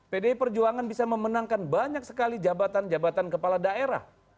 pdi perjuangan bisa memenangkan banyak sekali jabatan jabatan kepala daerah